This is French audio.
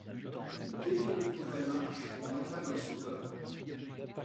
Dès que le progrès marche, on réclame un sauveur ;